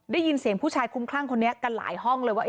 ได้ยินเสียงผู้ชายคุ้มคลั่งคนนี้กันหลายห้องเลยว่า